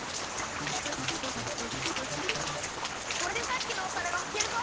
これでさっきのお皿がふけるぞ！